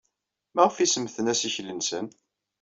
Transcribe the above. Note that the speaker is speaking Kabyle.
Maɣef ay semmten assikel-nsen?